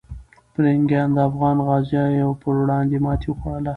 پرنګیان د افغان غازیو پر وړاندې ماتې وخوړله.